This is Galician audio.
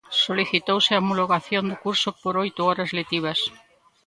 Solicitouse a homologación do curso por oito horas lectivas.